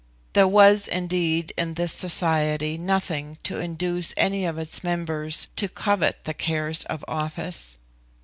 There was indeed in this society nothing to induce any of its members to covet the cares of office.